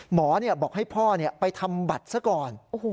หมอบอกให้พ่อไปทำบัตรซะก่อน